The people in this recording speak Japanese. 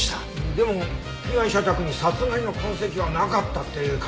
でも被害者宅に殺害の痕跡はなかったって鑑識が。